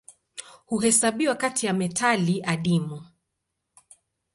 Huhesabiwa kati ya metali adimu.